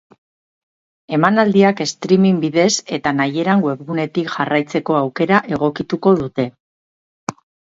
Emanaldiak streaming bidez eta nahieran webgunetik jarraitzeko aukera egokituko dute.